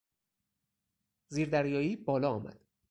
زیردریایی بالا آمد.